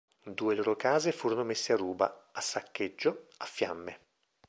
Due loro case furono messe a ruba, a saccheggio, a fiamme.